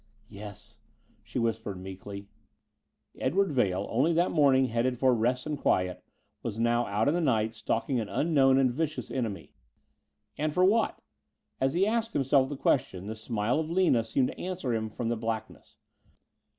"Yes," she whispered meekly. Edward Vail, only that morning headed for rest and quiet, was now out in the night, stalking an unknown and vicious enemy. And for what? As he asked himself the question, the smile of Lina seemed to answer him from the blackness.